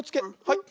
はい。